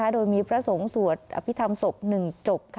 โดยมีพระสงฆ์สวดอภิธรรมศพหนึ่งจบ